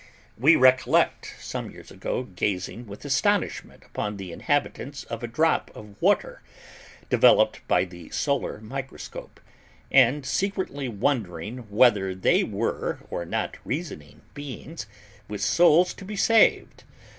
We recollect, some years ago, gazing with astonishment upon the inhabitants of a drop of water, developed by the Solar Microscope, and secretly wondering whether they were or not reasoning beings, with souls to be saved.